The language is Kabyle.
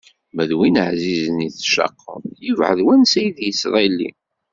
Ma d win ɛzizen i tectaqeḍ, yebɛed wansa i d-yettḍilli.